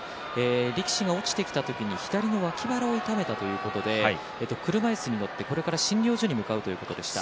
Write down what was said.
力士が落ちてきた時に左の脇腹を痛めたということで車いすに乗ってこれから診療所に向かうということでした。